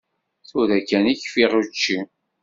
Tura kan i kfiɣ učči.